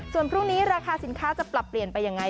ส่วนพรุ่งนี้ราคาสินค้าจะปรับเปลี่ยนไปยังไง